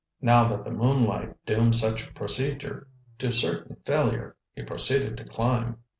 Now that the moonlight doomed such procedure to certain failure, he proceeded to climb.